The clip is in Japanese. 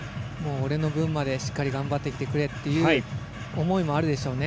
俺の分までしっかり頑張ってきてくれという思いもあるでしょうね。